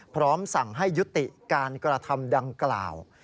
พร้อมสั่งให้ยุติการกระทำดังกล่าว